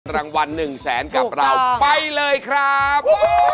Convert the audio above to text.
รางวัล๑แสนกับเราไปเลยครับ